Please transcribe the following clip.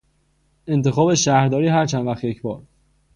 انتخاب شهرداری هر چند وقت یکبار